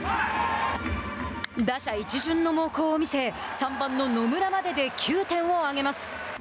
打者一巡の猛攻を見せ３番の野村までで９点をあげます。